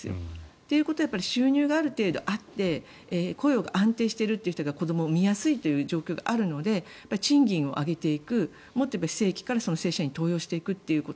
ということは収入がある程度あって雇用が安定している人が子どもを生みやすい状況があるので賃金を上げていくもっと言えば非正規から正規に登用していくということ。